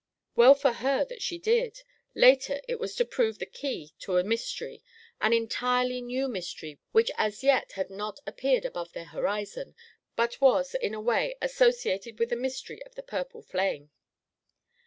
Well for her that she did. Later it was to prove the key to a mystery, an entirely new mystery which had as yet not appeared above their horizon, but was, in a way, associated with the mystery of the purple flame.